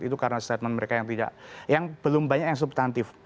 itu karena statement mereka yang belum banyak yang substantif